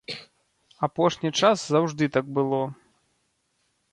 Апошні час заўжды так было.